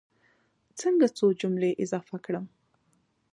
څنګه څو جملې اضافه کړم.